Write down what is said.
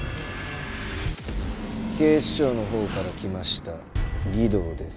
警視庁のほうから来ました儀藤です。